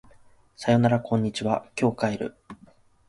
さよならこんにちは今日帰る